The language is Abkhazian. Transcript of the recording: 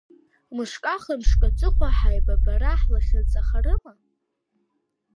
Мышк-ахамышк аҵыхәа ҳаибабара ҳлахьынҵахарыма?